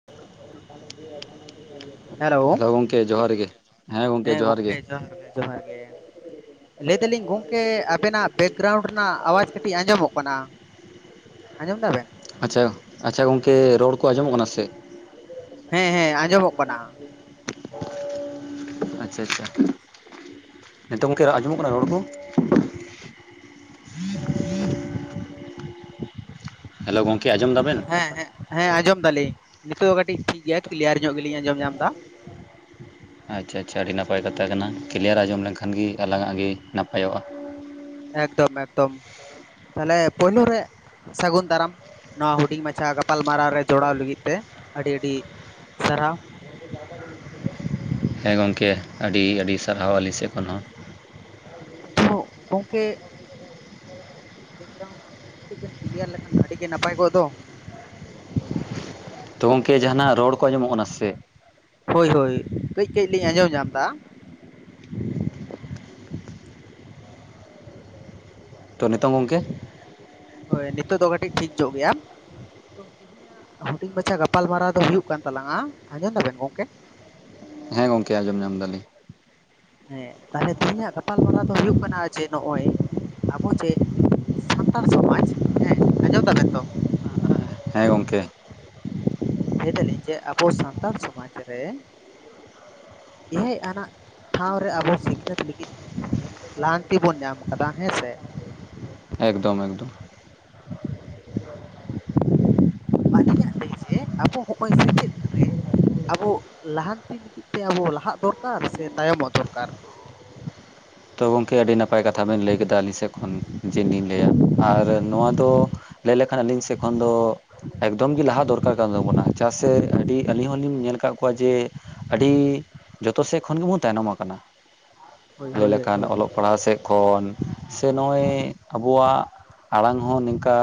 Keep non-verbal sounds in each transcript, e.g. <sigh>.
<unintelligible> <inaudible> Hello, hello ᱜᱚᱢᱠᱮ ᱡᱚᱦᱟᱨ ᱜᱮ ᱦᱮᱸ ᱡᱚᱦᱟᱨ ᱜᱮ ᱜᱚᱢᱠᱮ ᱡᱚᱦᱟᱨ ᱜᱮ ᱡᱚᱦᱟᱨ ᱜᱮ᱾ ᱞᱟᱹᱭ ᱫᱟᱹᱞᱤᱧ ᱜᱚᱝᱠᱮ ᱟᱵᱮᱱᱟᱜ ᱵᱮᱠᱜᱨᱟᱣᱩᱱᱰ ᱨᱮᱱᱟᱜ ᱟᱣᱟᱡᱽ ᱠᱟᱹᱴᱤᱡ ᱟᱸᱡᱚᱢᱚᱜ ᱠᱟᱱᱟ᱾ ᱟᱸᱡᱚᱢ ᱫᱟᱵᱮᱱ? ᱟᱪᱪᱷᱟ ᱟᱪᱪᱷᱟ ᱜᱚᱝᱠᱮ ᱨᱚᱲ ᱠᱚ ᱟᱸᱡᱚᱢᱚᱜ ᱠᱟᱱᱟ ᱥᱮ ᱪᱮᱫ? ᱦᱮᱸ ᱦᱮᱸ ᱟᱸᱡᱚᱢᱚᱜ ᱠᱟᱱᱟ᱾ ᱟᱪᱪᱷᱟ ᱟᱪᱪᱷᱟ ᱱᱮᱛᱚᱝ ᱜᱚᱝᱠᱮ ᱟᱸᱡᱚᱢᱚᱜ ᱠᱟᱱᱟ ᱨᱚᱲ ᱠᱚ? ᱦᱮᱞᱳ ᱜᱚᱝᱠᱮ ᱟᱡᱚᱢ ᱫᱟ ᱦᱮᱸ ᱦᱮᱸ ᱦᱮᱸ ᱟᱸᱡᱚᱢ ᱫᱟᱞᱤᱧ ᱱᱤᱛᱚᱜᱜ ᱫᱚ ᱠᱟᱹᱴᱤᱡ ᱴᱷᱤᱠ ᱜᱮᱭᱟ ᱠᱞᱤᱭᱟᱨ ᱧᱚᱜ ᱜᱮᱞᱤᱧ ᱟᱸᱡᱚᱢ ᱧᱟᱢ ᱮᱫᱟ᱾ ᱟᱪᱪᱷᱟ ᱟᱪᱪᱷᱟ ᱟᱹᱰᱤ ᱱᱟᱯᱟᱭ ᱠᱟᱛᱷᱟ ᱠᱟᱱᱟ ᱠᱞᱤᱭᱟᱨ ᱟᱸᱡᱚᱢ ᱞᱮᱱᱠᱷᱟᱱ ᱜᱮ ᱟᱞᱟᱝ ᱟᱜ ᱜᱮ ᱱᱟᱯᱟᱭᱚᱜᱼᱟ ᱾ ᱮᱠᱫᱚᱢ ᱮᱠᱫᱚᱢ ᱛᱟᱦᱞᱮ ᱯᱳᱭᱞᱳ ᱨᱮ᱾ ᱥᱟᱹᱜᱩᱱ ᱫᱟᱨᱟᱢ ᱱᱚᱣᱟ ᱦᱩᱰᱤᱧ ᱢᱟᱪᱷᱟ ᱜᱟᱯᱟᱞᱢᱟᱨᱟᱣ ᱨᱮ ᱡᱚᱲᱟᱣ ᱞᱟᱹᱜᱤᱫ ᱛᱮ ᱟᱹᱰᱤ ᱟᱹᱰᱤ᱾ ᱥᱟᱨᱦᱟᱣ ᱦᱮᱸ ᱜᱚᱝᱠᱮ ᱟᱹᱰᱤ ᱟᱹᱰᱤ ᱥᱟᱨᱦᱟᱣ ᱟᱹᱞᱤᱧ ᱥᱮᱫ ᱠᱷᱚᱱ ᱦᱚᱸ᱾ ᱛᱚ ᱜᱚᱝᱠᱮ ᱟᱵᱮᱱᱟᱜ ᱠᱟᱹᱴᱤᱡ ᱵᱮᱠᱜᱨᱟᱣᱩᱱᱰ ᱠᱟᱹᱴᱤᱡ ᱵᱮᱱ ᱠᱞᱤᱭᱟᱨ ᱞᱮᱠᱷᱟᱱ ᱟᱹᱰᱤ ᱜᱮ ᱱᱟᱯᱟᱭ ᱠᱚᱜ ᱫᱚ᱾ ᱛᱚ ᱜᱚᱝᱠᱮ ᱡᱟᱦᱟᱱᱟᱜ ᱨᱚᱲ ᱠᱚ ᱟᱱᱡᱚᱢᱚᱜ ᱠᱟᱱᱟ ᱥᱮ᱾ ᱦᱳᱭ ᱦᱳᱭ ᱠᱟᱹᱡ ᱠᱟᱹᱡ ᱞᱤᱧ ᱟᱸᱡᱚᱢ ᱧᱟᱢ ᱫᱟ᱾ ᱛᱚ ᱱᱤᱛᱚᱝ ᱜᱚᱝᱠᱮ᱾ ᱦᱳᱭ ᱱᱤᱛᱚᱜ ᱫᱚ ᱠᱟᱹᱴᱤᱡ ᱴᱷᱤᱠ ᱧᱚᱜ ᱜᱮᱭᱟ᱾ ᱛᱮᱦᱮᱧᱟ ᱦᱩᱰᱤᱧ ᱢᱟᱪᱷᱟ ᱜᱟᱯᱟᱞᱢᱟᱨᱟᱣ ᱫᱚ ᱦᱩᱭᱩᱜ ᱠᱟᱱ ᱛᱟᱞᱟᱝᱼᱟ ᱟᱸᱡᱚᱢ ᱫᱟᱵᱮᱱ ᱜᱚᱝᱠᱮ᱾ ᱦᱮᱸ ᱜᱚᱝᱠᱮ ᱟᱸᱚᱢ ᱧᱟᱢ ᱮᱫᱟᱞᱤᱧ᱾ ᱦᱮᱸ ᱛᱟᱦᱚᱞᱮ ᱛᱮᱦᱮᱧᱟᱜ ᱜᱟᱯᱟᱞᱢᱟᱨᱟᱣ ᱫᱚ ᱦᱩᱭᱩᱜ ᱠᱟᱱᱟ ᱡᱮ ᱱᱚᱜᱼᱚᱭ ᱟᱵᱚ ᱡᱮ᱾ ᱥᱟᱱᱛᱟᱲ ᱥᱚᱢᱟᱡᱽ ᱦᱮᱸ ᱟᱸᱡᱚᱢ ᱛᱟᱵᱮᱱ ᱛᱚ᱾ ᱦᱮᱸ ᱜᱚᱝᱠᱮ᱾ ᱞᱟᱹᱭ ᱫᱟᱞᱤᱧ ᱡᱮ ᱟᱵᱚ ᱥᱟᱱᱛᱟᱲ ᱥᱚᱢᱟᱡᱽ ᱨᱮ᱾ ᱮᱭᱟᱭ ᱟᱱᱟᱜ ᱴᱷᱟᱶ ᱨᱮ ᱟᱵᱚ ᱥᱤᱠᱷᱱᱟᱹᱛ ᱞᱟᱹᱜᱤᱫ ᱛᱮ᱾ ᱞᱟᱦᱟᱱᱛᱤ ᱵᱚᱱ ᱧᱟᱢ ᱠᱟᱫᱟ ᱦᱮᱸ ᱥᱮ᱾ ᱮᱠᱫᱚᱢ ᱮᱠᱫᱚᱢ ᱟᱹᱞᱤᱧᱟᱜ ᱞᱟᱹᱭ ᱡᱮ ᱟᱵᱚ ᱦᱚᱼᱚᱭ ᱥᱮᱪᱮᱫ ᱨᱮ᱾ ᱟᱵᱚ ᱞᱟᱦᱟᱱᱛᱤ ᱞᱟᱹᱜᱤᱫ ᱛᱮ ᱟᱵᱚ ᱞᱟᱦᱟᱜ ᱫᱚᱨᱠᱟᱨ ᱥᱮ ᱛᱟᱭᱚᱢᱚᱜ ᱫᱚᱨᱠᱟᱨ᱾ ᱛᱚ ᱜᱚᱝᱠᱮ ᱟᱹᱰᱤ ᱱᱟᱯᱟᱭ ᱠᱟᱛᱷᱟ ᱵᱮᱱ ᱞᱟᱹᱭ ᱠᱮᱫᱟ ᱟᱹᱞᱤᱧ ᱥᱮᱫ ᱠᱷᱚᱱ ᱡᱮ ᱞᱤᱧ ᱞᱟᱹᱭᱼᱟ ᱟᱨ ᱱᱚᱣᱟ ᱛᱚ᱾ ᱞᱟᱹᱭ ᱞᱮᱠᱷᱟᱱ ᱟᱹᱞᱤᱧ ᱥᱮᱫ ᱠᱷᱚᱱ ᱫᱚ᱾ ᱮᱠᱫᱚᱢ ᱜᱮ ᱞᱟᱦᱟ ᱫᱚᱨᱠᱟᱨ ᱠᱟᱱ ᱛᱟᱵᱚᱱᱟ ᱪᱟᱜ ᱥᱮ ᱟᱹᱰᱤ ᱟᱹᱞᱤᱧ ᱦᱚᱞᱤᱧ ᱧᱮᱞ ᱟᱠᱟᱫ ᱠᱚᱣᱟ ᱡᱮ᱾ ᱟᱹᱰᱤ ᱡᱚᱛᱚ ᱥᱮᱫ ᱠᱷᱚᱱ ᱜᱮᱵᱚᱱ ᱛᱟᱭᱱᱚᱢ ᱟᱠᱟᱱᱟ᱾ ᱞᱟᱹᱭ ᱞᱮᱠᱷᱟᱱ ᱚᱞᱚᱜ ᱯᱟᱲᱦᱟᱜ ᱥᱮᱫ ᱠᱷᱚᱱ ᱥᱮ ᱱᱚᱜᱼᱚᱭ ᱟᱵᱚᱣᱟᱜ᱾ ᱟᱲᱟᱝ ᱦᱚᱸ ᱱᱤᱝᱠᱟ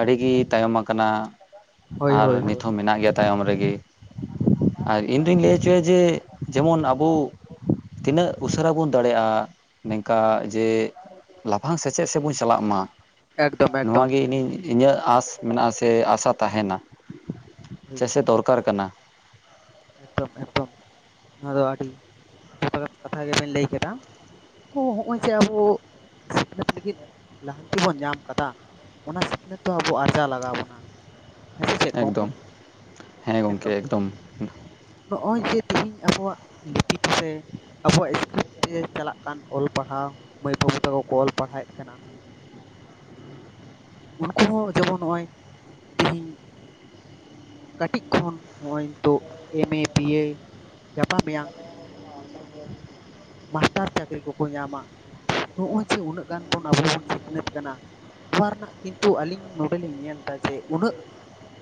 ᱟᱹᱰᱤᱜᱮ ᱛᱟᱭᱚᱢ ᱟᱠᱟᱱᱟ ᱟᱨ ᱱᱤᱛᱦᱚᱸ ᱢᱮᱱᱟᱜ ᱜᱮᱭᱟ᱾ ᱛᱟᱭᱚᱢ ᱨᱮᱜᱮ ᱟᱨ ᱤᱧ ᱫᱩᱧ ᱞᱟᱹᱭ ᱦᱚᱪᱚᱭᱟ ᱡᱮ ᱡᱮᱢᱚᱱ ᱟᱵᱚ᱾ ᱛᱤᱱᱟᱹᱜ ᱩᱥᱟᱹᱨᱟ ᱵᱚᱱ᱾ ᱫᱟᱲᱮᱭᱟᱜᱼᱟ ᱱᱤᱝᱠᱟ ᱡᱮ ᱞᱟᱯᱷᱟᱝ ᱥᱮᱪᱮᱫ ᱥᱮᱫ ᱵᱚᱱ ᱪᱟᱞᱟᱜ ᱢᱟ᱾ ᱮᱠᱫᱚᱢ ᱮᱠᱫᱚᱢ ᱱᱚᱣᱟᱜᱮ ᱤᱧ ᱤᱧᱟᱹᱜ ᱟᱥ ᱢᱮᱱᱟᱜᱟ ᱥᱮ ᱟᱥᱟ ᱛᱟᱦᱮᱱᱟ ᱾ ᱦᱳᱭ ᱡᱮᱥᱮ ᱜᱚᱢᱠᱮ ᱫᱚᱨᱠᱟᱨ ᱠᱟᱱᱟ ᱾ ᱮᱠᱫᱚᱢ ᱮᱠᱫᱚᱢ ᱱᱚᱣᱟᱫᱚ ᱟᱹᱰᱤ᱾ ᱡᱚᱛᱷᱟᱛ ᱠᱟᱛᱷᱟ ᱜᱮᱵᱮᱱ ᱞᱟᱹᱭ ᱠᱮᱫᱟ ᱛᱚ ᱦᱚᱜᱼᱚᱭ ᱡᱮ ᱟᱵᱚ᱾ ᱥᱤᱠᱷᱱᱟᱹᱛ ᱞᱟᱹᱜᱤᱫ ᱞᱟᱦᱟᱱᱛᱤ ᱵᱚᱱ ᱧᱟᱢ ᱠᱟᱫᱟ᱾ ᱚᱱᱟ ᱥᱤᱠᱷᱱᱟᱹᱛ ᱫᱚ ᱟᱵᱚ ᱟᱨᱡᱟᱣ ᱞᱟᱜᱟᱣ ᱵᱚᱱᱟ᱾ ᱦᱮᱸ ᱥᱮ ᱪᱮᱫ ᱜᱚᱝᱠᱮ ᱮᱠᱫᱚᱢ ᱦᱮᱸ ᱜᱚᱢᱠᱮ ᱮᱠᱫᱚᱢ᱾ ᱱᱚᱜᱼᱚᱭ ᱡᱮ ᱛᱮᱦᱤᱧ ᱟᱵᱚᱣᱟᱜ ᱞᱤᱯᱤ ᱛᱮᱥᱮ᱾ ᱟᱵᱚᱣᱟᱜ ᱮᱥᱠᱨᱤᱯ ᱛᱮ ᱪᱟᱞᱟᱜ ᱠᱟᱱ ᱚᱞ ᱯᱟᱲᱦᱟᱣ ᱢᱟᱹᱭ ᱵᱟᱹᱵᱩ ᱛᱟᱠᱚ ᱠᱚ ᱚᱞ ᱯᱟᱲᱦᱟᱣᱮᱫ ᱠᱟᱱᱟ ᱾ ᱩᱱᱠᱩ ᱦᱚᱸ ᱡᱮᱢᱚᱱ ᱱᱚᱜᱼᱚᱭ ᱛᱮᱦᱤᱧ᱾ ᱠᱟᱹᱴᱤᱡ ᱠᱷᱚᱱ ᱦᱚᱜᱼᱚᱭ ᱱᱤᱛᱚᱜ ᱮᱢᱮ ᱵᱤᱭᱮ ᱜᱟᱯᱟ ᱢᱮᱭᱟᱝ᱾ ᱢᱟᱥᱴᱟᱨ ᱪᱟᱹᱠᱨᱤ ᱠᱚᱠᱚ ᱧᱟᱢᱟ ᱱᱚᱜᱼᱚᱭ ᱡᱮ ᱩᱱᱟᱹᱜ ᱜᱟᱱ ᱵᱚᱱ ᱟᱵᱚ ᱵᱚᱱ ᱥᱤᱠᱷᱱᱟᱹᱛ ᱠᱟᱱᱟ᱾ ᱱᱚᱣᱟ ᱨᱮᱱᱟᱜ ᱠᱤᱱᱛᱩ ᱟᱹᱞᱤᱧ ᱱᱚᱰᱮᱞᱤᱧ ᱧᱮᱞᱫᱟ ᱡᱮ ᱩᱱᱟᱹᱜ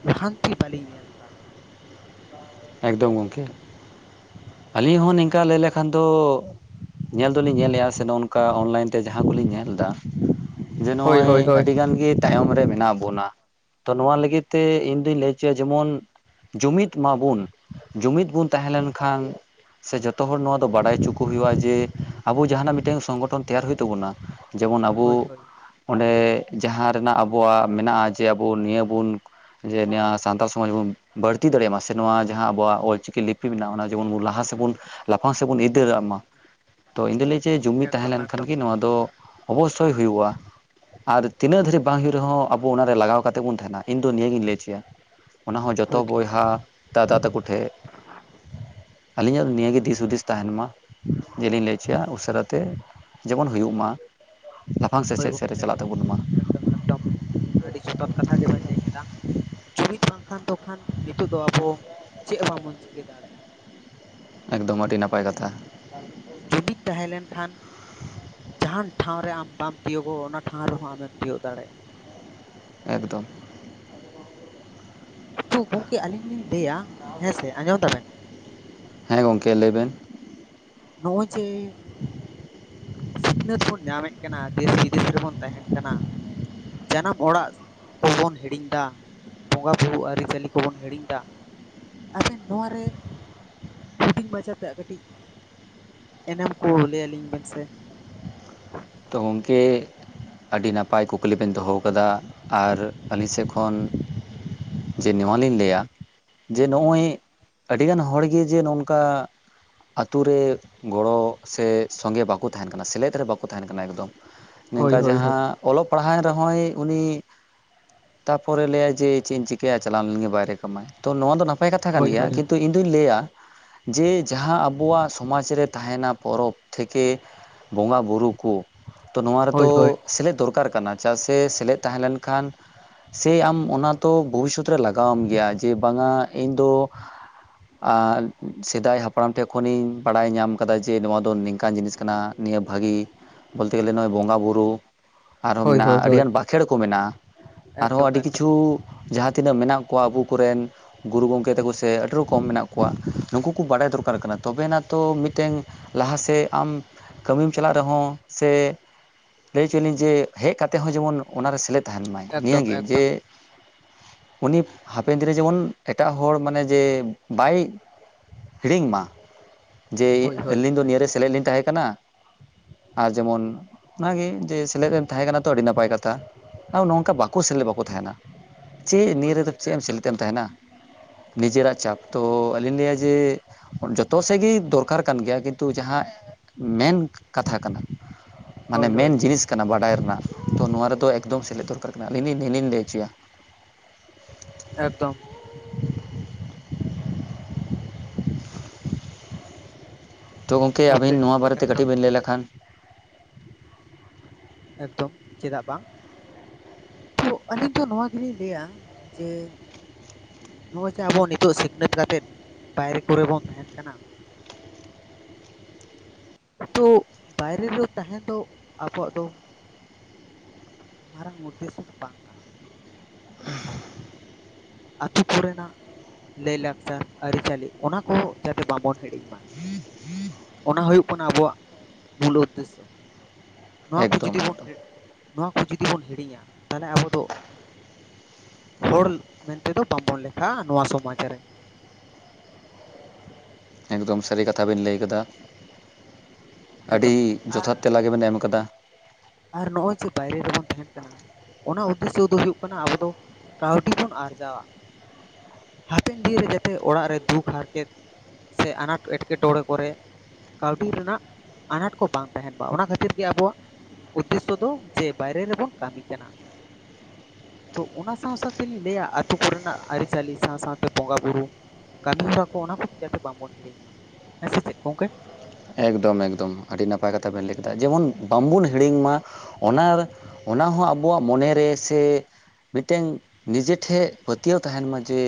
ᱞᱟᱦᱟᱱᱛᱤ ᱵᱟᱹᱞᱤᱧ ᱧᱮᱞ ᱮᱫᱟ ᱾ ᱮᱠᱫᱚᱢ ᱜᱚᱝᱠᱮ ᱟᱹᱞᱤᱧ ᱦᱚᱸ ᱱᱤᱝᱠᱟ ᱞᱟᱹᱭ ᱞᱮᱠᱷᱟᱱ ᱫᱚ ᱧᱮᱞ ᱫᱚᱞᱤᱧ ᱧᱮᱞᱮᱜ-ᱟ ᱥᱮ ᱱᱚᱱ ᱠᱟ ᱚᱱᱞᱟᱭᱤᱱ ᱛᱮ ᱡᱟᱦᱟᱸ ᱠᱩᱞᱤᱧ ᱧᱮᱞ ᱫᱟ, ᱡᱮ ᱦᱳᱭ ᱱᱚᱜ-ᱚᱭ ᱦᱳᱭ ᱦᱳᱭ ᱟᱹᱰᱤ ᱜᱟᱱ ᱜᱮ ᱛᱟᱭᱚᱢ ᱨᱮ ᱢᱮᱱᱟᱜ ᱵᱚᱱᱟ, ᱛᱚ ᱱᱚᱣᱟ ᱞᱟᱹᱜᱤᱫ ᱛᱮ ᱤᱧ ᱫᱩᱧ ᱞᱟᱹᱭ ᱪᱚᱭᱟ ᱡᱮᱢᱚᱱ ᱡᱩᱢᱤᱫ ᱢᱟᱵᱩᱱ, ᱡᱩᱢᱤᱫ ᱵᱚᱱ ᱛᱟᱦᱮᱸ ᱞᱮᱱᱠᱷᱟᱱ, ᱥᱮ ᱡᱚᱛᱚ ᱦᱚᱲ ᱱᱚᱣᱟ ᱫᱚ ᱵᱟᱰᱟᱭ ᱩᱪᱩ ᱠᱚ ᱦᱩᱭᱩᱜ-ᱟ ᱡᱮ ᱟᱵᱚ ᱡᱟᱦᱟᱱᱟᱜ ᱢᱤᱫᱴᱮᱱ ᱥᱚᱝᱜᱚᱴᱷᱚᱱ ᱛᱮᱭᱟᱨ ᱦᱩᱭᱩᱜ ᱛᱟᱵᱚᱱᱟ᱾ ᱡᱮᱢᱚᱱ ᱟᱵᱩ ᱦᱳᱭ ᱦᱳᱭ ᱚᱸᱰᱮ ᱡᱟᱦᱟᱸ ᱨᱮᱱᱟᱜ ᱟᱵᱚᱣᱟᱜ ᱢᱮᱱᱟᱜ-ᱟ ᱡᱮ ᱟᱵᱩ ᱱᱤᱭᱟᱹ ᱵᱩᱱ ᱡᱮ ᱱᱮᱭᱟ ᱥᱟᱱᱛᱟᱲ ᱥᱚᱢᱟᱡᱽ ᱵᱚᱱ ᱵᱟᱹᱲᱛᱤ ᱫᱟᱲᱮᱭᱟᱜ ᱢᱟ ᱥᱮ ᱱᱚᱣᱟ ᱡᱟᱦᱟᱸ ᱟᱵᱚᱣᱟᱜ ᱚᱞᱪᱤᱠᱤ ᱞᱤᱯᱤ ᱢᱮᱱᱟᱜ-ᱟ ᱚᱱᱟ ᱡᱮᱢᱚᱱ ᱵᱚᱱ ᱞᱟᱦᱟ ᱥᱮᱫ ᱵᱚᱱ ᱞᱟᱯᱷᱟᱝ ᱥᱮᱫ ᱵᱚᱱ ᱤᱫᱤ ᱫᱟᱲᱮᱜ ᱢᱟ, ᱛᱚ ᱤᱧ ᱫᱩᱧ ᱞᱟᱹᱭᱟ ᱡᱮ ᱡᱩᱢᱤᱫ ᱛᱟᱦᱮᱸ ᱞᱮᱱᱠᱷᱟᱱ ᱜᱮ ᱱᱚᱣᱟ ᱫᱚ ᱚᱵᱚᱥᱥᱳᱭ ᱦᱩᱭᱩᱜ-ᱟ᱾ ᱟᱨ ᱛᱤᱱᱟᱹᱜ ᱫᱟᱹᱨᱤᱡ ᱵᱟᱝ ᱦᱚᱭᱩᱜ ᱨᱮᱦᱚᱸ ᱟᱵᱚ ᱚᱱᱟ ᱨᱮ ᱞᱟᱜᱟᱣ ᱠᱟᱛᱮᱫ ᱵᱚᱱ ᱛᱟᱦᱮᱱᱟ ᱤᱧ ᱫᱚ ᱱᱤᱭᱟᱹᱜᱤᱧ ᱞᱟᱹᱭ ᱦᱚᱪᱚᱭᱟ᱾ ᱚᱱᱟᱦᱚᱸ ᱡᱚᱛᱚ ᱦᱳᱭ ᱜᱚᱢᱠᱮ ᱵᱚᱭᱦᱟ ᱫᱟᱫᱟ ᱛᱟᱠᱚ ᱴᱷᱮᱜ᱾ ᱟᱹᱞᱤᱧᱟᱜ ᱫᱚ ᱱᱤᱭᱟᱹᱜᱮ ᱫᱤᱥ ᱦᱩᱫᱤᱥ ᱛᱟᱦᱮᱱ ᱢᱟ ᱡᱮ ᱞᱤᱧ ᱞᱟᱹᱭ ᱪᱚᱭᱟ ᱩᱥᱟᱹᱨᱟ ᱛᱮ ᱡᱮᱢᱚᱱ ᱦᱩᱭᱩᱜ ᱢᱟ ᱞᱟᱯᱷᱟᱝ ᱦᱳᱭ ᱥᱮᱪᱮᱫ ᱥᱮᱫ ᱨᱮ ᱜᱚᱢᱠᱮ ᱪᱟᱞᱟᱜ ᱛᱟᱵᱩᱱ ᱢᱟ᱾ ᱮᱠᱫᱚᱢ ᱮᱠᱫᱚᱢ ᱟᱹᱰᱤ ᱡᱚᱛᱷᱟᱚᱛ ᱠᱟᱛᱷᱟ ᱜᱮᱵᱮᱱ ᱞᱟᱹᱭ ᱠᱮᱫᱟ᱾ ᱡᱩᱢᱤᱫ ᱵᱟᱝᱠᱷᱟᱱ ᱫᱚᱠᱷᱟᱱ ᱱᱤᱛᱳᱜ ᱫᱚ ᱟᱵᱚ ᱪᱮᱜ ᱦᱚᱸ ᱵᱟᱵᱚᱱ ᱪᱤᱠᱟᱹ ᱫᱟᱲᱮᱜ-ᱟ᱾ ᱮᱠᱫᱚᱢ ᱟᱹᱰᱤ ᱱᱟᱯᱟᱭ ᱠᱟᱛᱷᱟᱺ ᱡᱩᱢᱤᱫ ᱛᱟᱦᱮᱸ ᱞᱮᱱᱠᱷᱟᱱ ᱡᱟᱦᱟᱱ ᱴᱷᱟᱶ ᱨᱮ ᱟᱢ ᱵᱟᱢ ᱛᱤᱭᱳᱜᱚᱜ ᱚᱱᱟ ᱴᱷᱟᱶ ᱨᱮᱦᱚᱸ ᱟᱢᱮᱢ ᱛᱤᱭᱳᱜ ᱫᱟᱲᱮᱜ-ᱟ᱾ ᱮᱠᱫᱚᱢ ᱠᱤᱱᱛᱩ ᱜᱚᱝᱠᱮ ᱟᱞᱤᱧ ᱞᱤᱧ ᱞᱟᱹᱭᱟ ᱦᱮᱸᱥᱮ, ᱟᱸᱡᱚᱢ ᱫᱟᱵᱮᱱ? ᱦᱮᱸ ᱜᱚᱝᱠᱮ ᱞᱟᱹᱭ ᱵᱮᱱ? ᱱᱚᱜ ᱚᱭ ᱡᱮ ᱥᱤᱠᱷᱱᱟᱹᱛ ᱵᱚᱱ ᱧᱟᱢᱮᱜ ᱠᱟᱱᱟ ᱫᱮᱥ ᱵᱤᱫᱮᱥ ᱨᱮᱵᱚᱱ ᱛᱟᱦᱮᱱ ᱠᱟᱱᱟ ᱡᱟᱱᱟᱢ ᱚᱲᱟᱜ ᱠᱚᱵᱚᱱ ᱦᱤᱲᱤᱧ ᱫᱟ, ᱵᱚᱸᱜᱟ ᱵᱩᱨᱩ ᱟᱹᱨᱤᱪᱟᱹᱞᱤ ᱠᱚᱵᱚᱱ ᱦᱤᱲᱤᱧ ᱫᱟ ᱟᱵᱮᱱ ᱱᱚᱣᱟᱨᱮ ᱦᱩᱰᱤᱧ ᱢᱟᱪᱷᱟ ᱛᱮᱭᱟᱜ ᱠᱟᱹᱴᱤᱡ ᱮᱱᱮᱢ ᱠᱚ ᱞᱟᱹᱭ ᱟᱹᱞᱤᱧ ᱵᱮᱱ ᱥᱮ ᱛᱚ ᱜᱚᱝᱠᱮ ᱟᱹᱰᱤ ᱱᱟᱯᱟᱭ ᱠᱩᱠᱞᱤ ᱵᱮᱱ ᱫᱚᱦᱚᱣ ᱠᱟᱫᱟ ᱟᱨ ᱟᱹᱞᱤᱧ ᱥᱮᱜ ᱠᱷᱚᱱ ᱡᱮ ᱱᱚᱣᱟ ᱞᱤᱧ ᱞᱟᱹᱭᱟ ᱡᱮ ᱱᱚᱜ ᱚᱭ ᱟᱹᱰᱤᱜᱟᱱ ᱦᱚᱲ ᱜᱮ ᱡᱮ ᱱᱚᱝᱠᱟ ᱟᱹᱛᱩ ᱨᱮ ᱜᱚᱲᱚ ᱥᱮ ᱥᱚᱸᱜᱮ ᱵᱟᱠᱚ ᱛᱟᱦᱮᱱ ᱠᱟᱱᱟ ᱥᱮᱞᱮᱫ ᱨᱮ ᱵᱟᱠᱚ ᱠᱚ ᱛᱟᱦᱮᱱ ᱠᱟᱱᱟ ᱮᱠᱫᱚᱢ ᱦᱳᱭ ᱱᱤᱝᱠᱟ ᱦᱳᱭ ᱦᱳᱭ ᱡᱟᱦᱟᱸ ᱚᱞᱚᱜ ᱯᱟᱲᱦᱟᱣᱮᱱ ᱨᱮᱦᱚᱸᱭ ᱩᱱᱤ ᱛᱟᱯᱚᱨᱮ ᱞᱟᱹᱭᱟᱭ ᱡᱮ ᱪᱮᱫ ᱤᱧ ᱪᱤᱠᱟᱹᱭᱟ ᱪᱟᱞᱟᱣ ᱞᱮᱱ ᱜᱮ ᱵᱟᱭᱨᱮ ᱠᱟᱢᱟᱭ ᱛᱚ ᱱᱚᱣᱟ ᱫᱚ ᱱᱟᱯ ᱯᱟᱭ ᱠᱟᱛᱷᱟ ᱠᱟᱱ ᱦᱳᱭ ᱜᱮᱭᱟ ᱦᱳᱭ ᱠᱤᱱᱛᱩ ᱤᱧ ᱫᱩᱧ ᱞᱟᱹᱭᱟ ᱡᱮ ᱡᱟᱦᱟᱸ ᱟᱵᱚᱣᱟᱜ ᱥᱚᱢᱟᱡᱽ ᱨᱮ ᱛᱟᱦᱮᱱᱟ ᱯᱚᱨᱚᱵᱽ ᱛᱷᱮᱠᱮ ᱵᱚᱸᱜᱟ ᱵᱩᱨᱩ, ᱠᱩ ᱛᱚ ᱱᱚᱣᱟ ᱦᱳᱭ ᱨᱮᱫᱚ ᱦᱳᱭ ᱥᱮᱞᱮᱫ ᱫᱚᱨᱠᱟᱨ ᱠᱟᱱᱟ ᱪᱟᱜ ᱥᱮ ᱥᱮᱞᱮᱫ ᱛᱟᱦᱮᱸ ᱞᱮᱱᱠᱷᱟᱱ ᱥᱮᱭ ᱟᱢ ᱚᱱᱟ ᱛᱚ ᱵᱷᱚᱵᱤᱥᱥᱚᱛ ᱨᱮ ᱞᱟᱜᱟᱣᱟᱢ ᱜᱮᱭᱟ ᱡᱮ ᱵᱟᱝᱟ ᱤᱧ ᱫᱚ ᱟᱨ ᱥᱮᱫᱟᱭ ᱦᱟᱯᱲᱟᱢ ᱴᱷᱮᱜ ᱠᱷᱚᱱᱤᱧ ᱵᱟᱲᱟᱭ ᱧᱟᱢ ᱠᱟᱫᱟ ᱡᱮ ᱱᱚᱣᱟ ᱫᱚ ᱱᱤᱝᱠᱟᱱ ᱡᱤᱱᱤᱥ ᱠᱟᱱᱟ, ᱱᱤᱭᱟᱹ ᱵᱷᱟᱹᱜᱤ ᱵᱳᱞᱛᱮ ᱜᱮᱞᱮ ᱱᱚᱜ ᱚᱭ ᱵᱚᱸᱜᱟ ᱵᱩᱨᱩ, ᱟᱨᱦᱚᱸ ᱦᱳᱭ ᱢᱮᱱᱟᱜ-ᱟ ᱦᱳᱭ ᱦᱳᱭ ᱟᱹᱰᱤᱜᱟᱱ ᱵᱟᱠᱷᱮᱲ ᱠᱚ ᱢᱮᱱᱟᱜ-ᱟ ᱟᱨᱦᱚᱸ ᱮᱠᱫᱚᱢ ᱟᱹᱰᱤ ᱮᱠᱫᱚᱢ ᱠᱤᱪᱷᱩ ᱡᱟᱦᱟᱸ ᱛᱤᱱᱟᱹᱜ ᱢᱮᱱᱟᱜ ᱠᱚᱣᱟ ᱟᱵᱩ ᱠᱚᱨᱮᱱ ᱜᱩᱨᱩ ᱜᱚᱝᱠᱮ ᱛᱟᱠᱩ ᱥᱮ ᱟᱹᱰᱤ ᱨᱚᱠᱚᱢ ᱢᱮᱱᱟᱜ ᱠᱚᱣᱟ, ᱱᱩᱠᱩ ᱠᱚ ᱵᱟᱰᱟᱭ ᱫᱚᱨᱠᱟᱨ ᱠᱟᱱᱟ ᱛᱚᱵᱮ ᱟᱱᱟᱜ ᱛᱚ ᱢᱤᱫᱴᱮᱱ ᱞᱟᱦᱟᱥᱮᱫ ᱟᱢ ᱠᱟᱹᱢᱤᱢ ᱪᱟᱞᱟᱜ ᱨᱮᱦᱚᱸ ᱥᱮ ᱞᱟᱹᱭ ᱦᱚᱪᱚᱭᱟᱞᱤᱧ ᱡᱮ ᱦᱮᱜ ᱠᱟᱛᱮ ᱦᱚᱸ ᱡᱮᱢᱚᱱ ᱚᱱᱟ ᱨᱮ ᱥᱮᱞᱮ ᱛᱟᱦᱮᱱ ᱢᱟᱭ, ᱮᱠᱫᱚᱢ ᱱᱤᱭᱟᱹᱜᱮ ᱡᱮ ᱮᱠᱫᱚᱢ ᱩᱱᱤ ᱦᱟᱯᱮᱱ ᱫᱤᱱ ᱨᱮ ᱡᱮᱢᱚᱱ ᱮᱴᱟᱜ ᱦᱚᱲ ᱢᱟᱱᱮ ᱡᱮ ᱵᱟᱭ ᱦᱤᱲᱤᱧ ᱢᱟ ᱡᱮ ᱦᱳᱭ ᱦᱳᱭ ᱟᱹᱞᱤᱧ ᱫᱚ ᱱᱤᱭᱟᱹᱨᱮ ᱮᱠᱫᱚᱢ ᱥᱮᱞᱮᱫ ᱞᱤᱧ ᱛᱟᱦᱮᱸ ᱠᱟᱱᱟ᱾ ᱟ ᱡᱮᱢᱚᱱ ᱚᱱᱟᱜᱮ ᱡᱮ ᱥᱮᱞᱮᱫ ᱮᱢ ᱛᱟᱦᱮᱸ ᱠᱟᱱᱟ ᱛᱚ ᱟᱰᱤ ᱱᱟᱯᱟᱭ ᱠᱟᱛᱟ᱾ ᱟ ᱱᱚᱝᱠᱟ ᱵᱟᱠᱚ ᱥᱮᱞᱮᱫ, ᱵᱟᱠᱚ ᱛᱟᱦᱮᱱᱟ ᱪᱮᱜ ᱦᱳᱭ ᱱᱤᱭᱟᱹ ᱨᱮᱫᱚ ᱦᱳᱭ ᱪᱮᱜ ᱮᱢ ᱥᱮᱞᱮ ᱮᱠᱫᱚᱢ ᱛᱮᱢ ᱛᱟᱦᱮᱱᱟ? ᱱᱤᱡᱮᱨᱟ ᱪᱟᱯ ᱛᱚ ᱟᱹᱞᱤᱧ ᱞᱟᱹᱭᱟ ᱡᱮ ᱡᱚᱛᱚ ᱥᱮᱜ ᱜᱮ ᱫᱚᱨᱠᱟᱨ ᱠᱟᱱ ᱜᱮᱭᱟ ᱠᱤᱱᱛᱩ ᱡᱟᱦᱟᱸ ᱢᱮᱱ ᱠᱟᱛᱷᱟ ᱠᱟᱱᱟ, ᱢᱟᱱᱮ ᱦᱳᱭ ᱦᱳᱭ ᱢᱮᱱ ᱡᱤᱱᱤᱥ ᱠᱟᱱᱟ ᱵᱟᱰᱟᱭ ᱨᱮᱱᱟᱜ ᱛᱚ ᱱᱚᱣᱟ ᱨᱮᱫᱚ ᱮᱠᱫᱚᱢ ᱥᱮᱞᱮᱫ ᱫᱚᱨᱠᱟᱨ ᱠᱟᱱᱟ ᱟᱞᱤᱞᱤ-ᱟᱞᱤᱞᱤᱸ ᱞᱟᱹᱭ ᱪᱚᱭᱟ᱾ ᱮᱠᱫᱚᱢ᱾ ᱛᱚ ᱜᱚᱝᱠᱮ, ᱳᱠᱮ ᱟᱵᱤᱱ ᱱᱚᱣᱟ ᱵᱟᱨᱮ ᱛᱮ ᱮᱠᱫᱚᱢ ᱠᱟᱹᱴᱤᱜ ᱵᱤᱸ ᱞᱟᱹᱭ ᱞᱮᱠᱷᱟᱱ᱾ ᱮᱠᱫᱚᱢ, ᱪᱮᱫᱟᱜ ᱵᱟᱝ᱾ ᱛᱷᱚᱜ ᱟᱹᱞᱤᱧ ᱫᱚ ᱱᱚᱣᱟ ᱜᱮᱞᱤᱧ ᱞᱟᱹᱭᱟ ᱡᱮ ᱱᱚᱜᱼᱚᱭ ᱪᱮ ᱟᱵᱚ ᱱᱤᱛᱚᱜ ᱥᱤᱠᱷᱱᱟᱹᱛ ᱠᱟᱛᱮᱫ ᱵᱟᱭᱨᱮ ᱠᱚᱨᱮ ᱵᱚᱱ ᱛᱟᱦᱮᱱ ᱠᱟᱱᱟ, ᱱᱤᱛᱚᱜ ᱵᱟᱭᱨᱮ ᱨᱮ ᱛᱟᱦᱮᱱ ᱫᱚ ᱟᱵᱚᱣᱟᱜ ᱫᱚ ᱢᱟᱨᱟᱝ ᱩᱫᱽᱫᱮᱥᱥᱚ ᱫᱚ ᱵᱟᱝ ᱠᱟᱱᱟ᱾ ᱟᱹᱛᱩ ᱠᱚᱨᱮᱱᱟᱜ ᱞᱟᱹᱭ-ᱞᱟᱠᱪᱟᱨ, ᱟᱹᱨᱤ-ᱪᱟᱹᱞᱤ ᱚᱱᱟ ᱠᱚ ᱡᱟᱛᱮ ᱵᱟᱵᱚᱱ ᱦᱤᱲᱤᱧ ᱢᱟ᱾ ᱚᱱᱟ ᱦᱩᱭᱩᱜ ᱠᱟᱱᱟ ᱟᱵᱚᱣᱟᱜ ᱢᱩᱞ ᱩᱫᱽᱫᱮᱥᱥᱚ᱾ ᱱᱚᱣᱟ ᱠᱚ ᱮᱠᱫᱚᱢ ᱡᱩᱫᱤ ᱵᱚᱱ ᱮᱠᱫᱚᱢ ᱦᱤᱲ, ᱱᱚᱣᱟ ᱠᱚ ᱡᱩᱫᱤ ᱵᱚᱱ ᱦᱤᱲᱤᱧᱟ ᱛᱟᱦᱞᱮ ᱟᱵᱚ ᱫᱚ ᱦᱚᱲᱞ ᱢᱮᱱᱛᱮᱫᱚ ᱵᱟᱸᱵᱚᱱ ᱞᱮᱠᱷᱟᱸᱻ ᱱᱚᱣᱟ ᱥᱚᱢᱟᱡᱽ ᱨᱮ᱾ ᱮᱠᱫᱚᱢ ᱥᱟᱨᱤ ᱠᱟᱛᱷᱟ ᱵᱮᱱ ᱞᱟᱹᱭ ᱠᱟᱫᱟ᱾ ᱟᱰᱤ ᱮᱠᱫᱚᱢ ᱡᱚᱛᱷᱟᱛ ᱟᱨ ᱛᱮᱞᱟ ᱜᱮᱵᱮᱱ ᱮᱢ ᱠᱟᱫᱟ᱾ ᱟᱨ ᱱᱚᱜᱼᱚᱸᱭ ᱡᱮ ᱵᱟᱭᱨᱮ ᱨᱮᱵᱚᱱ ᱛᱟᱦᱮᱱ ᱠᱟᱱᱟ, ᱚᱱᱟ ᱩᱫᱽᱫᱮᱥᱥᱚ ᱫᱚ ᱦᱩᱭᱩᱜ ᱠᱟᱱᱟ, ᱟᱵᱚ ᱫᱚ ᱠᱟᱹᱣᱰᱤ ᱵᱚᱱ ᱟᱨᱡᱟᱣᱟ᱾ ᱦᱟᱯᱮᱱ ᱫᱤᱱ ᱨᱮ ᱡᱟᱛᱮ ᱚᱲᱟᱜ ᱨᱮ ᱫᱩᱠ, ᱦᱟᱨᱠᱮᱛ, ᱥᱮ ᱟᱱᱟᱴ ᱮᱴᱠᱮᱴᱚᱲᱮ ᱠᱚᱨᱮ, ᱠᱟᱣᱰᱤ ᱨᱮᱱᱟᱜ ᱟᱱᱟᱴ ᱠᱚ ᱵᱟᱝ ᱛᱟᱦᱮᱱ ᱢᱟ᱾ ᱚᱱᱟ ᱠᱷᱟᱹᱛᱤᱨ ᱜᱮ ᱟᱵᱚᱣᱟᱜ ᱩᱫᱽᱫᱮᱥᱥᱚ ᱫᱚ ᱡᱮ ᱵᱟᱭᱨᱮ ᱨᱮᱵᱚᱱ ᱠᱟᱢᱤ ᱠᱟᱱᱟ᱾ ᱛᱚ ᱚᱱᱟ ᱥᱟᱶ-ᱥᱟᱶ ᱛᱮᱞᱤᱸ ᱞᱟᱹᱭᱟ ᱟᱛᱩ ᱠᱚᱨᱮᱱᱟᱜ ᱟᱨᱤ-ᱪᱟᱹᱞᱤ ᱥᱟᱶ-ᱥᱟᱶᱛᱮ ᱵᱚᱸᱜᱟ-ᱵᱩᱨᱩ ᱠᱟᱢᱤ ᱦᱚᱨᱟ ᱠᱚ ᱚᱱᱟ ᱠᱚ ᱡᱟᱛᱮ ᱵᱟᱢᱵᱚᱱ ᱦᱤᱲᱤᱧ ᱢᱟ᱾ ᱦᱮᱸ ᱥᱮ ᱪᱮᱫ ᱠᱚᱝᱠᱮ? ᱮᱠᱫᱚᱢ, ᱮᱠᱫᱚᱢ᱾ ᱟᱰᱤ ᱱᱟᱯᱟᱭ ᱠᱟᱛᱷᱟ ᱵᱮᱱ ᱞᱟᱹᱭ ᱠᱮᱫᱟ ᱡᱮᱢᱚᱱ ᱵᱟᱢᱵᱚᱱ ᱦᱤᱲᱤᱧ ᱢᱟ᱾ ᱚᱱᱟ, ᱚᱱᱟ ᱦᱚ ᱟᱵᱚᱣᱟᱜ ᱢᱚᱱᱮ ᱨᱮ ᱥᱮ ᱢᱮᱴᱮᱝ ᱱᱤᱡᱮ ᱴᱷᱮᱜ ᱯᱟᱹᱛᱭᱟᱹᱣ ᱛᱟᱦᱮᱱ ᱢᱟ ᱡᱮ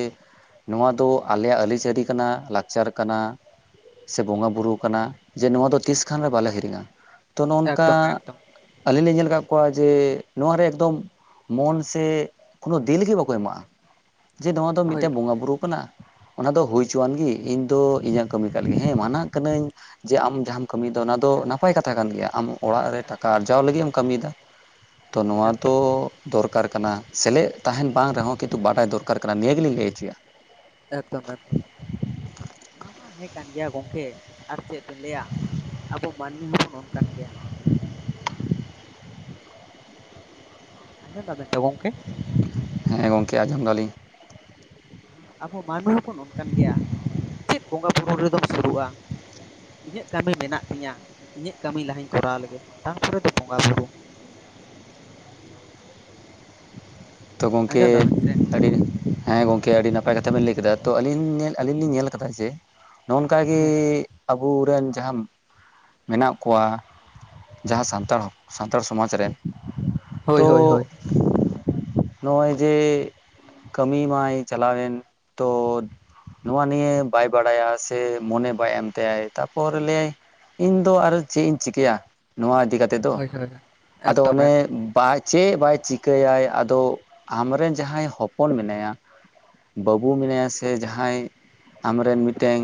ᱱᱚᱣᱟ ᱫᱚ ᱟᱞᱮᱭᱟᱜ ᱟᱹᱞᱤ-ᱪᱟᱹᱨᱤ ᱠᱟᱱᱟ, ᱞᱟᱠᱪᱟᱨ ᱠᱟᱱᱟ ᱥᱮ ᱵᱚᱸᱜᱟ-ᱵᱩᱨᱩ ᱠᱟᱱᱟ᱾ ᱡᱮ ᱱᱚᱣᱟ ᱫᱚ ᱛᱤᱥ ᱠᱷᱟᱱ ᱨᱮ ᱵᱟᱞᱮ ᱦᱤᱨᱤᱧᱟ ᱛᱚ ᱱᱚᱱᱠᱟ᱾ ᱮᱠᱫᱚᱢ ᱮᱠᱫᱚᱢ ᱟᱹᱞᱤᱧ ᱞᱤᱸ ᱧᱮᱞ ᱠᱟᱜ ᱠᱚᱣᱟ ᱡᱮ ᱱᱚᱣᱟᱨᱮ ᱮᱠᱫᱚᱢ ᱢᱚᱱ ᱥᱮ ᱠᱳᱱᱳ ᱫᱤᱞᱜᱮ ᱵᱟᱠᱚ ᱮᱢᱟᱜᱼᱟ, ᱡᱮ ᱱᱚᱣᱟ ᱫᱚ ᱦᱳᱭ ᱢᱤᱴᱮᱜ ᱜᱚᱝᱠᱮ ᱵᱚᱸᱜᱟ-ᱵᱩᱨᱩ ᱠᱟᱱᱟ! ᱚᱱᱟ ᱫᱚ ᱦᱩᱭ ᱪᱚᱣᱟᱱ ᱜᱮ ᱤᱧ ᱫᱚ ᱤᱧᱟᱹᱜ ᱠᱟᱢᱤ ᱠᱟᱜ ᱞᱤᱜᱤ ᱦᱮᱸ ᱢᱟᱱᱟᱜ ᱠᱟᱹᱱᱟᱹᱧ ᱡᱮ ᱟᱢ ᱡᱟᱦᱟᱢ ᱠᱟᱢᱤᱭᱫᱟ ᱚᱱᱟ ᱫᱚ ᱱᱟᱯᱟᱭ ᱠᱟᱛᱷᱟ ᱠᱟᱱ ᱜᱮᱭᱟ ᱟᱢ ᱚᱲᱟᱜ ᱨᱮ ᱴᱟᱠᱟ ᱮᱠᱫᱚᱢ ᱟᱨᱡᱟᱣ ᱮᱠᱫᱚᱢ ᱞᱟᱜᱤᱜ ᱮᱢ ᱠᱟᱢᱤᱭᱫᱟ ᱛᱚ ᱱᱚᱣᱟ ᱮᱠᱫᱚᱢ ᱫᱚ ᱫᱚᱨᱠᱟᱨ ᱠᱟᱱᱟ, ᱥᱮᱞᱮᱜ ᱛᱟᱦᱮᱱ ᱵᱟᱝ ᱨᱮᱦᱚᱸ ᱠᱤᱛᱩ ᱵᱟᱰᱟᱭ ᱫᱚᱨᱠᱟᱨ ᱠᱟᱱᱟ, ᱱᱤᱭᱟᱹ ᱜᱮᱞᱤᱧ ᱞᱟᱹᱭ ᱪᱚᱭᱟ᱾ ᱮᱠᱫᱚᱢ, ᱮᱠᱫᱚᱢ᱾ ᱚᱱᱟ ᱢᱟ ᱦᱮ ᱠᱟᱱ ᱜᱮᱭᱟ ᱜᱚᱝᱠᱮ ᱟᱨ ᱪᱮᱜ ᱵᱮᱱ ᱞᱟᱹᱭᱟ! ᱟᱵᱚ ᱢᱟᱱᱢᱤ ᱦᱚᱵᱚᱱ ᱚᱱᱠᱟᱱ ᱜᱮᱭᱟ᱾ ᱟᱸᱡᱚᱢ ᱫᱟᱵᱮᱱ ᱛᱚ ᱜᱚᱝᱠᱮ? ᱦᱮᱸ ᱜᱚᱝᱠᱮ, ᱟᱡᱚᱢ ᱫᱟᱞᱤᱧ᱾ ᱟᱵᱚ ᱢᱟᱱᱢᱤ ᱦᱚᱵᱚᱱ ᱚᱱᱠᱟᱱ ᱜᱮᱭᱟ ᱪᱮᱫ ᱵᱚᱸᱜᱟ-ᱵᱩᱨᱩ ᱨᱮᱫᱚᱢ ᱥᱩᱨᱩᱜᱼᱟ? ᱤᱧᱟᱹᱜ ᱠᱟᱹᱢᱤ ᱢᱮᱱᱟᱜ ᱛᱤᱧᱟᱹ ᱤᱧᱟᱹᱜ ᱠᱟᱹᱢᱤ ᱞᱟᱦᱟᱧ ᱠᱚᱨᱟᱣ ᱞᱮᱜᱮ ᱛᱟᱨᱯᱚᱨᱮ ᱫᱚ ᱵᱚᱸᱜᱟ ᱵᱩᱨᱩ, ᱛᱚ ᱜᱚᱢᱠᱮ ᱟᱸᱡᱚᱢ ᱫᱟᱵᱮᱱ ᱥᱮ ᱟᱹᱰᱤ ᱦᱮᱸ ᱜᱚᱝᱠᱮ ᱟᱹᱰᱤ ᱱᱟᱯᱟᱭ ᱠᱟᱛᱷᱟ ᱵᱮᱱ ᱞᱟᱹᱭ ᱠᱮᱫᱟ ᱛᱚ ᱟᱹᱞᱤᱧ ᱧᱮᱞ ᱟᱞᱤᱧ ᱞᱤᱧ ᱧᱮᱞ ᱟᱠᱟᱫᱟ ᱡᱮ ᱱᱚᱝᱠᱟᱜᱤ ᱦᱮᱸ ᱟᱵᱚᱨᱮᱱ ᱡᱟᱦᱟᱸ ᱢᱮᱱᱟᱜ ᱠᱚᱣᱟ ᱡᱟᱦᱟᱸ ᱥᱟᱱᱛᱟᱲ ᱥᱟᱱᱛᱟᱲ ᱥᱚᱢᱟᱡᱽ ᱨᱮᱱ ᱦᱳᱭ ᱦᱳᱭ ᱦᱳᱭ᱾ ᱱᱚᱜ-ᱚᱭ ᱡᱮ ᱠᱟᱹᱢᱤ ᱢᱟᱭ ᱪᱟᱞᱟᱣᱮᱱ ᱛᱚ ᱱᱚᱣᱟ ᱱᱤᱭᱮ ᱵᱟᱭ ᱵᱟᱲᱟᱭᱟ ᱥᱮ ᱢᱚᱱᱮ ᱵᱟᱭ ᱮᱢ ᱛᱟᱭᱟᱭ ᱛᱟᱯᱚᱨ ᱞᱟᱹᱭᱟᱭ ᱤᱧ ᱫᱚ ᱟᱨᱚ ᱪᱮᱫ ᱤᱧ ᱪᱤᱠᱟᱹᱭᱟ ᱱᱚᱣᱟ ᱤᱫᱤ ᱠᱟᱛᱮ ᱠᱟᱛᱮ ᱫᱚ ᱦᱳᱭ ᱦᱳᱭ ᱟᱫᱚ ᱮᱠᱫᱚᱢ ᱚᱱᱮ ᱮᱠᱫᱚᱢ ᱪᱮᱫ ᱵᱟᱭ ᱪᱤᱠᱟᱹᱭᱟᱭ ᱛᱚ ᱟᱢᱨᱮᱱ ᱡᱟᱦᱟᱸᱭ ᱦᱚᱯᱚᱱ ᱢᱮᱱᱟᱭᱟ ᱵᱟᱹᱵᱩ ᱢᱮᱱᱟᱭᱟ ᱥᱮ ᱡᱟᱦᱟᱸᱭ ᱟᱢ ᱨᱮᱱ ᱢᱤᱫᱴᱮᱱ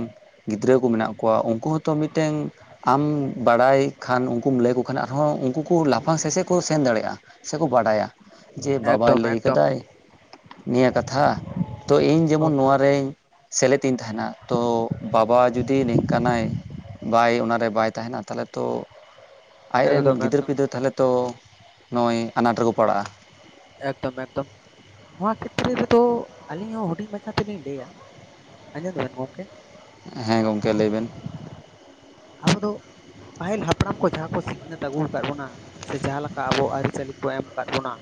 ᱜᱤᱫᱽᱨᱟᱹᱠᱩ ᱢᱮᱱᱟᱜ ᱠᱚᱣᱟ ᱩᱱᱠᱩ ᱦᱚᱸᱛᱚ ᱢᱤᱫᱴᱮᱱ ᱟᱢ ᱵᱟᱲᱟᱭ ᱠᱷᱟᱱ ᱩᱱᱠᱩᱢ ᱞᱟᱹᱭ ᱟᱠᱚ ᱠᱷᱟᱱ ᱟᱨᱦᱚᱸ ᱩᱱᱠᱩ ᱠᱚ ᱞᱟᱯᱷᱟᱝ ᱥᱮᱫ ᱠᱚ ᱥᱮᱱ ᱫᱟᱲᱮᱭᱟᱜ-ᱟ᱾ ᱥᱮᱠᱚ ᱵᱟᱰᱟᱭᱟ, ᱡᱮ ᱵᱟᱵᱟᱭ ᱮᱠᱫᱚᱢ ᱞᱟᱹᱭ ᱮᱠᱫᱚᱢ ᱟᱠᱟᱫᱟᱭ ᱱᱤᱭᱟᱹ ᱠᱟᱛᱷᱟ ᱛᱚ ᱤᱧ ᱡᱮᱢᱚᱱ ᱦᱳᱭ ᱱᱚᱣᱟ ᱦᱳᱭ ᱨᱮᱧ ᱥᱮᱞᱮᱫ ᱤᱧ ᱛᱟᱦᱮᱱᱟ ᱛᱚ ᱵᱟᱵᱟ ᱡᱩᱫᱤ ᱱᱤᱝᱠᱟᱱᱟᱭ ᱵᱟᱭ ᱚᱱᱟᱨᱮ ᱵᱟᱭ ᱛᱟᱦᱮᱱᱟ ᱛᱟᱦᱚᱞᱮ ᱛᱚ ᱟᱡᱨᱮᱱ ᱮᱠᱫᱚᱢ ᱜᱤᱫᱟᱹᱨ ᱮᱠᱫᱚᱢ ᱯᱤᱫᱟᱹᱨ ᱛᱟᱦᱚᱞᱮ ᱛᱚ ᱱᱚᱜ-ᱚᱭ ᱟᱱᱟᱴ ᱨᱮᱠᱚ ᱯᱟᱲᱟᱜ-ᱟ ᱾ ᱮᱠᱫᱚᱢ ᱮᱠᱫᱚᱢ ᱱᱚᱣᱟ ᱠᱷᱮᱛᱨᱚ ᱨᱮᱫᱚ ᱟᱹᱞᱤᱧ ᱦᱚᱸ ᱦᱩᱰᱤᱧ ᱢᱟᱪᱷᱟ ᱛᱮᱞᱤᱧ ᱞᱟᱹᱭᱟ ᱾ ᱟᱡᱚᱢ ᱫᱟᱵᱤᱱ ᱜᱚᱢᱠᱮ ᱦᱮᱸ ᱜᱚᱢᱠᱮ ᱞᱟᱹᱭ ᱵᱮᱱ, ᱟᱵᱚ ᱫᱚ ᱯᱟᱹᱦᱤᱞ ᱦᱟᱯᱲᱟᱢ ᱠᱚ ᱡᱟᱦᱟᱸ ᱠᱚ ᱥᱤᱠᱷᱱᱟᱹᱛ ᱟᱹᱜᱩ ᱟᱠᱟᱫ ᱵᱚᱱᱟ ᱥᱮ ᱡᱟᱦᱟᱸᱮ ᱞᱮᱠᱟ ᱟᱵᱚᱣᱟᱜ ᱟᱹᱨᱤᱪᱟᱹᱞᱤ, ᱠᱚ ᱮᱢ ᱟᱠᱟᱫ ᱵᱚᱱᱟ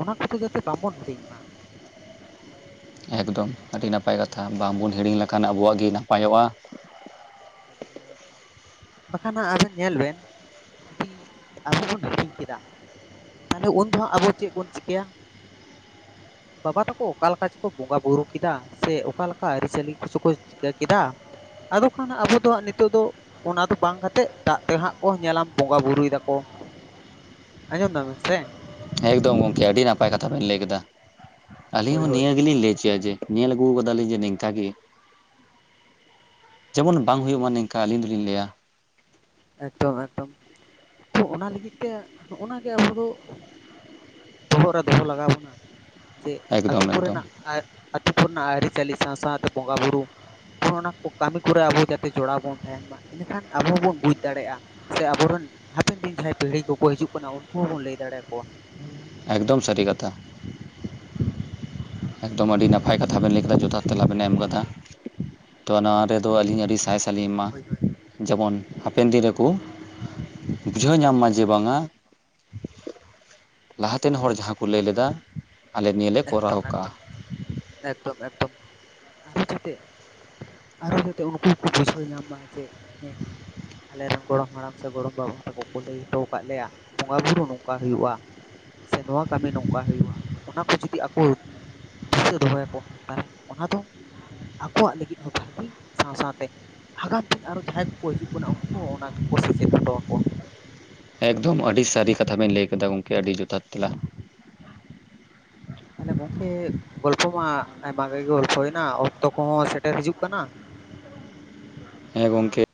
ᱚᱱᱟ ᱠᱚᱫᱚ ᱡᱟᱛᱮ ᱵᱟᱵᱚᱱ ᱦᱤᱲᱤᱧ ᱢᱟ ᱾ ᱮᱠᱫᱚᱢ ᱟᱹᱰᱤ ᱱᱟᱯᱟᱭ ᱠᱟᱛᱷᱟ ᱵᱟᱝᱵᱚᱱ ᱦᱤᱲᱤᱧ ᱞᱮᱠᱷᱟᱱ ᱟᱵᱚᱣᱟᱜ ᱜᱮ ᱱᱟᱯᱟᱭᱚᱜ-ᱟ ᱾ ᱵᱟᱠᱷᱟᱱ ᱟᱵᱮᱱ ᱧᱮᱞ ᱵᱮᱱ ᱡᱩᱫᱤ ᱟᱵᱚ ᱵᱚᱱ ᱦᱤᱲᱤᱧ ᱠᱮᱫᱟ ᱾ ᱛᱟᱦᱞᱮ ᱩᱱ ᱡᱚᱦᱚ ᱟᱵᱚ ᱪᱮᱫ ᱵᱚᱱ ᱪᱤᱠᱟᱹᱭᱟ? ᱵᱟᱵᱟ ᱛᱟᱠᱚ ᱚᱠᱟ ᱞᱮᱠᱟ ᱪᱚᱠᱚ ᱵᱚᱸᱜᱟ ᱵᱩᱨᱩ ᱠᱮᱫᱟ ᱥᱮ ᱚᱠᱟ ᱞᱮᱠᱟ ᱟᱹᱨᱤᱪᱟᱹᱞᱤ ᱠᱚᱪᱚ ᱠᱚ ᱪᱤᱠᱟᱹ ᱠᱮᱫᱟ ᱾ ᱟᱫᱚ ᱠᱷᱟᱱ ᱟᱵᱚ ᱫᱚ ᱦᱟᱸᱜ ᱱᱤᱛᱚᱜ ᱫᱚ ᱚᱱᱟ ᱫᱚ ᱵᱟᱝ ᱠᱟᱛᱮᱫ ᱫᱟᱜ ᱛᱮᱦᱟᱸᱜ ᱠᱚ ᱧᱮᱞᱟ ᱵᱚᱸᱜᱟ ᱵᱩᱨᱩᱭ ᱫᱟᱱ ᱠᱚ, ᱟᱧᱚᱢ ᱫᱟᱢ ᱵᱤᱱ ᱥᱮ ᱮᱠᱫᱚᱢ ᱜᱚᱝᱠᱮ ᱟᱹᱰᱤ ᱱᱟᱯᱟᱭ ᱠᱟᱛᱷᱟ ᱵᱮᱱ ᱞᱟᱹᱭ ᱠᱮᱫᱟ ᱟᱹᱞᱤᱧ ᱦᱳᱭ ᱦᱚᱸ ᱦᱳᱭ ᱱᱤᱭᱟᱹ ᱜᱮᱞᱤᱧ ᱞᱟᱹᱭ ᱦᱚᱪᱚᱭᱟ ᱡᱮ ᱧᱮᱞ ᱟᱹᱜᱩ ᱟᱠᱟᱫᱟ ᱞᱤᱧ ᱡᱮ ᱱᱚᱝᱠᱟ ᱜᱮ, ᱡᱮᱢᱚᱱ ᱵᱟᱝ ᱦᱩᱭᱩᱜ ᱢᱟ ᱱᱤᱝᱠᱟ ᱟᱹᱞᱤᱧ ᱫᱚᱞᱤᱧ ᱞᱟᱹᱭᱟ ᱾ ᱮᱠᱫᱚᱢ ᱮᱠᱫᱚᱢ ᱛᱚ ᱚᱱᱟ ᱞᱟᱹᱜᱤᱫ ᱛᱮ ᱱᱚᱜ-ᱱᱟ ᱱᱚᱜᱱᱟ ᱜᱮ ᱟᱵᱚ ᱫᱚ ᱵᱚᱦᱚᱜ ᱨᱮ ᱫᱚᱦᱚ ᱞᱟᱜᱟᱣ ᱵᱚᱱᱟ ᱡᱮ ᱟᱛᱩ ᱮᱠᱫᱚᱢ ᱮᱠᱫᱚᱢ ᱠᱚᱨᱮᱱᱟᱜ ᱟᱹᱛᱩ ᱠᱚᱨᱮ ᱱᱟ ᱟᱹᱨᱤᱪᱟᱹᱞᱤ ᱥᱟᱶ ᱥᱟᱶᱛᱮ ᱵᱚᱸᱜᱟ ᱵᱩᱨᱩ ᱚᱱᱟ ᱠᱚ ᱠᱟᱹᱢᱤ ᱠᱚᱨᱮ ᱟᱵᱚ ᱡᱟᱛᱮ ᱡᱚᱲᱟᱣ ᱵᱚᱱ ᱛᱟᱦᱮᱱ ᱢᱟ ᱤᱱᱟᱹᱠᱷᱟᱱ ᱟᱵᱚ ᱵᱚᱱ ᱵᱩᱡ ᱫᱟᱲᱮᱭᱟᱜ-ᱟ ᱥᱮ ᱟᱵᱚᱨᱮᱱ ᱦᱟᱯᱮᱱ ᱫᱤᱱ ᱡᱟᱦᱟᱸᱭ ᱯᱤᱲᱦᱤ ᱠᱚᱠᱚ ᱦᱤᱡᱩᱜ ᱠᱟᱱᱟ ᱩᱱᱠᱩ ᱦᱚᱸᱵᱚᱱ ᱞᱟᱹᱭ ᱫᱟᱲᱮ ᱟᱠᱚᱣᱟ ᱾ ᱮᱠᱫᱚᱢ ᱥᱟᱹᱨᱤ ᱠᱟᱛᱷᱟ, ᱮᱠᱫᱚᱢ ᱟᱹᱰᱤ ᱱᱟᱯᱟᱭ ᱠᱟᱛᱷᱟ ᱵᱮᱱ ᱞᱟᱹᱭ ᱠᱮᱫᱟ ᱡᱚᱛᱷᱟᱛ ᱛᱮᱞᱟ ᱵᱮᱱ ᱮᱢ ᱠᱟᱫᱟ ᱾ ᱛᱚ ᱱᱚᱣᱟ ᱨᱮᱫᱚ ᱟᱹᱞᱤᱧ ᱟᱹᱰᱤ ᱥᱟᱭ ᱥᱟᱭ ᱞᱤᱧ ᱮᱢᱟ ᱾ ᱡᱮᱢᱚᱱ ᱦᱟᱯᱮᱱ ᱫᱤᱱ ᱨᱮᱠᱚ ᱵᱩᱡᱷᱟᱹᱣ ᱧᱟᱢ ᱢᱟ ᱡᱮ ᱵᱟᱝ-ᱟ ᱞᱟᱦᱟᱛᱮᱱ ᱦᱚᱲ ᱡᱟᱦᱟᱸ ᱠᱚ ᱞᱟᱹᱭ ᱞᱮᱫᱟ ᱾ ᱮᱠᱫᱚᱢ ᱮᱠᱫᱚᱢ ᱮᱠᱫᱚᱢ ᱮᱠᱫᱚᱢ <inaudible> ᱟᱨᱚ ᱡᱟᱛᱮ ᱩᱱᱠᱩ ᱠᱚ ᱵᱩᱡᱷᱟᱹᱣ ᱧᱟᱢ ᱢᱟ ᱡᱮ ᱦᱮᱸ ᱟᱞᱮᱨᱮᱱ ᱜᱚᱲᱚᱢ ᱦᱟᱲᱟᱢ ᱥᱮ ᱜᱚᱲᱚᱢ ᱵᱟᱵᱟ ᱛᱟᱠᱚ ᱠᱚ ᱞᱟᱹᱭ ᱦᱚᱴᱚᱣ ᱟᱠᱟᱫ ᱞᱮᱭᱟ᱾ ᱵᱚᱸᱜᱟ ᱵᱩᱨᱩ ᱱᱚᱝᱠᱟ ᱦᱩᱭᱩᱜᱼᱟ᱾ ᱥᱮ ᱱᱚᱣᱟ ᱠᱟᱹᱢᱤ ᱱᱚᱝᱠᱟ ᱦᱩᱭᱩᱜᱼᱟ ᱚᱱᱟ ᱠᱚ ᱡᱩ ᱛᱤ ᱟᱠᱚ ᱫᱤᱥᱟᱹ ᱫᱚᱦᱚᱭᱟᱠᱚ ᱛᱟᱦᱚᱞᱮ ᱚᱱᱟ ᱫᱚ ᱟᱠᱚᱣᱟᱜ ᱞᱟᱹᱜᱤᱫ ᱦᱚᱸ ᱵᱷᱟᱹᱜᱤ ᱥᱟᱶ ᱥᱟᱶᱛᱮ ᱦᱟᱜᱟᱢ ᱫᱤᱱ ᱟᱨᱚ ᱡᱟᱦᱟᱸᱭ ᱠᱚᱠᱚ ᱦᱤᱡᱩᱜ ᱠᱟᱱᱟ ᱩᱱᱠᱩ ᱦᱚᱸ ᱚᱱᱟ ᱠᱚᱠᱚ ᱥᱮᱪᱮᱫ ᱦᱚᱴᱚ ᱟᱠᱚᱣᱟ᱾ ᱮᱠᱫᱚᱢ ᱟᱹᱰᱤ ᱥᱟᱹᱨᱤ ᱠᱟᱛᱷᱟ ᱵᱮᱱ ᱞᱟᱹᱭ ᱠᱮᱫᱟ ᱜᱚᱢᱠᱮ ᱟᱹᱰᱤ ᱡᱚᱛᱷᱟᱛ ᱛᱮᱞᱟ᱾ ᱛᱟᱦᱚᱞᱮ ᱜᱚᱝᱠᱮ ᱜᱚᱞᱯᱷᱚ ᱢᱟ ᱟᱭᱢᱟ ᱜᱮ ᱜᱚᱞᱯᱷᱚ ᱦᱩᱭᱮᱱᱟ ᱚᱠᱛᱚ ᱠᱚᱦᱚᱸ ᱥᱮᱴᱮᱨ ᱦᱤᱡᱩᱜ ᱠᱟᱱᱟ᱾ ᱦᱮᱸ ᱜᱚᱢᱠᱮ᱾